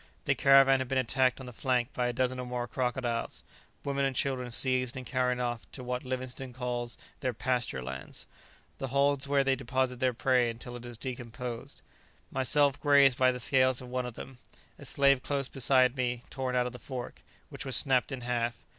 The caravan had been attacked on the flank by a dozen or more crocodiles; women and children seized and carried off to what Livingstone calls their "pasture lands," the holes where they deposit their prey until it is decomposed. Myself grazed by the scales of one of them. A slave close beside me torn out of the fork, which was snapped in half.